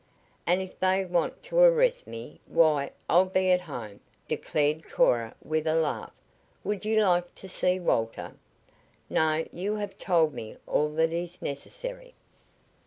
"And if they want to arrest me why, I'll be at home," declared Cora with a laugh. "Would you like to see Walter?" "No; you have told me all that is necessary."